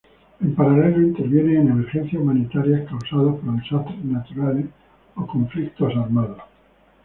En paralelo, interviene en emergencias humanitarias, causadas por desastres naturales o conflictos armados.